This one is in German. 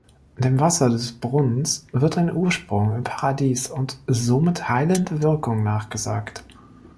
Dem Wasser des Brunnens wird ein Ursprung im Paradies und somit heilende Wirkung nachgesagt.